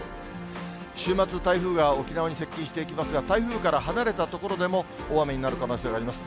週末、台風が沖縄に接近していきますが、台風から離れた所でも大雨になる可能性があります。